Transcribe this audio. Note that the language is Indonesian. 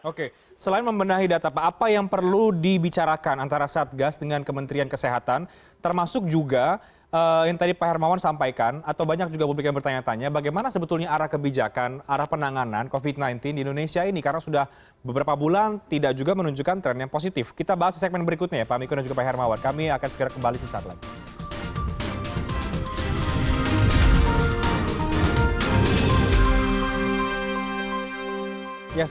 oke selain membenahi data apa apa yang perlu dibicarakan antara satgas dengan kementerian kesehatan termasuk juga yang tadi pak hermawan sampaikan atau banyak juga publik yang bertanya tanya bagaimana sebetulnya arah kebijakan arah penanganan covid sembilan belas di indonesia ini karena sudah beberapa bulan tidak juga menunjukkan tren yang positif kita bahas di segmen berikutnya ya pak miko dan juga pak hermawan kami akan segera kembali sesaat lain